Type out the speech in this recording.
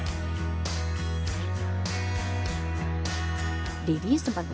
pusih dari aktivitas pelabur celana